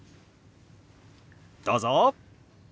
どうぞ！